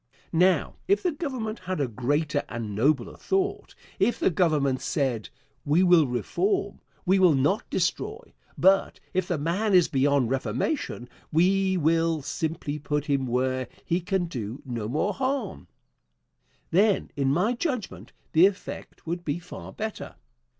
Now, if the Government had a greater and nobler thought; if the Government said: "We will reform; we will not destroy; but if the man is beyond reformation we will simply put him where he can do no more harm," then, in my judgment, the effect would be far better.